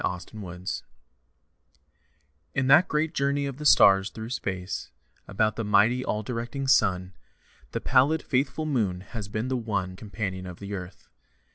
A SOLAR ECLIPSE In that great journey of the stars through space About the mighty, all directing Sun, The pallid, faithful Moon has been the one Companion of the Earth.